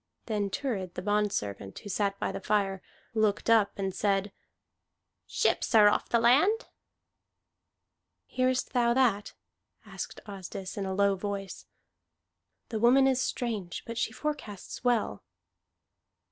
Then Thurid the bondservant, who sat by the fire, looked up and said, "Ships are off the land." "Hearest thou that?" asked Asdis in a low voice. "The woman is strange, but she forecasts well."